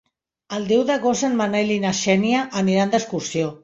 El deu d'agost en Manel i na Xènia aniran d'excursió.